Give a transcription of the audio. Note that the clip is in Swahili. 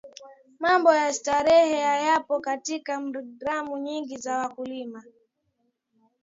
mambo ya starehe hayapo katika programu nyingi za wakulima